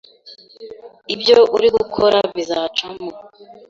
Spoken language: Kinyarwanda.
ibyo uri gukora bizacamo